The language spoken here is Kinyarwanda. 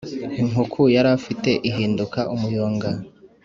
Inkuku yari afite ihinduka umuyonga